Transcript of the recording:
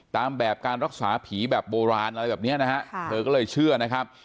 ตามแบบการรักษาผีแบบโบราณอะไรแบบนี้นะฮะเธอก็เลยเชื่อนะครับ